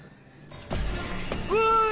おい！